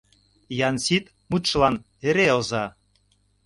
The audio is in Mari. Янсит мутшылан эре оза!